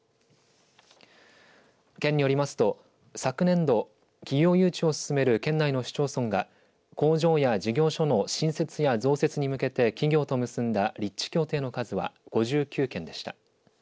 県によりますと昨年度企業誘致を進める県内の市町村が工場や事業所の新設や増設に向けて企業と結んだ立地協定の数は５９件でした。